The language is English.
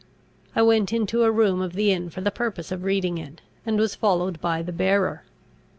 I went into a room of the inn for the purpose of reading it, and was followed by the bearer.